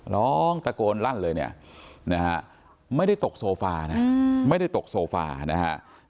ร้องตะโกนลั่นเลยเนี่ยนะฮะไม่ได้ตกโซฟานะไม่ได้ตกโซฟานะฮะ